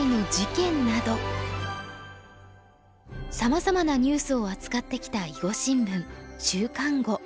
さまざまなニュースを扱ってきた囲碁新聞「週刊碁」。